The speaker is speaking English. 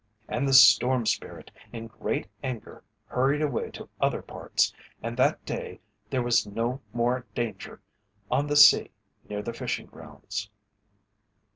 And the Storm Spirit in great anger hurried away to other parts, and that day there was no more danger on the sea near the fishing grounds.